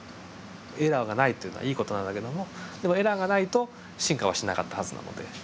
エラーがないっていうのはいい事なんだけどもでもエラーがないと進化はしなかったはずなので。